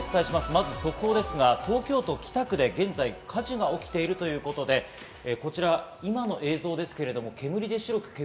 まず速報ですが、東京都北区で現在、火事が起きているということで、こちら、今の映像です。